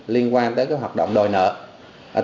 liên quan đến tín dụng đen khởi tố bắt xử hàng chục đối tượng